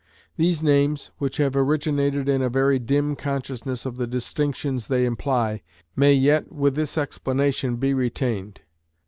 These names, which have originated in a very dim consciousness of the distinctions they imply, may yet, with this explanation, be retained.